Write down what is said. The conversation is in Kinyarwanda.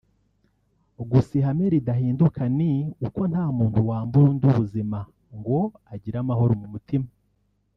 Gusa ihame ridahinduka ni uko nta muntu wambura undi ubuzima ngo agire amahoro mu mutima